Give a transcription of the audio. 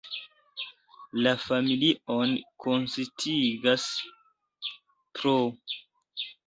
La familion konsistigas pr.